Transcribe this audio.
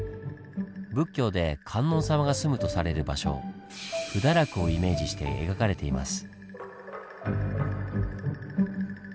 仏教で観音様が住むとされる場所「補陀落」をイメージして描かれています。